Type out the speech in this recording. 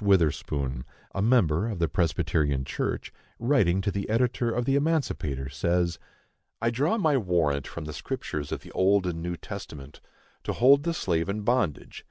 Witherspoon, a member of the Presbyterian Church, writing to the editor of the Emancipator, says: I draw my warrant from the Scriptures of the Old and New Testament, to hold the slave in bondage.